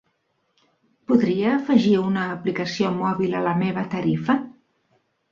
Podria afegir una aplicació mòbil a la meva tarifa?